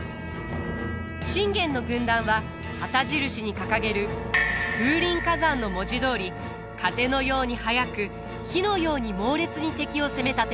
信玄の軍団は旗印に掲げる「風林火山」の文字どおり風のように速く火のように猛烈に敵を攻めたてます。